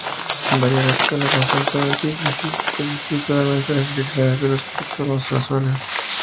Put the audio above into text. Varía la escala constantemente y precipitadamente, y las direcciones de los contornos casuales.